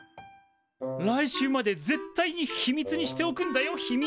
来週まで絶対に秘密にしておくんだよひみぃ。